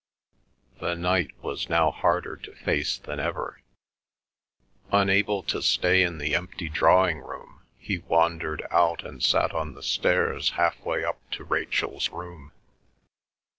The night was now harder to face than ever. Unable to stay in the empty drawing room, he wandered out and sat on the stairs half way up to Rachel's room.